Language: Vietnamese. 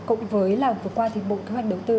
cộng với là vừa qua thì bộ kế hoạch đầu tư